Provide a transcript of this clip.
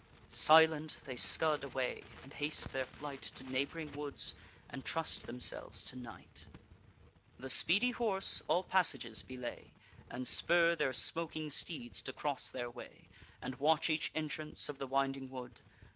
Silent they scud away, and haste their flight To neighb'ring woods, and trust themselves to night. The speedy horse all passages belay, And spur their smoking steeds to cross their way, And watch each entrance of the winding wood.